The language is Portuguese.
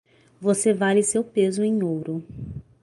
Você vale seu peso em ouro.